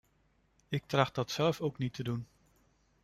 Ik tracht dat zelf ook niet te doen.